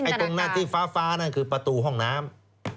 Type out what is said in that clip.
คุณมินครับตรงนั้นที่ฟ้านั่นคือประตูห้องน้ำ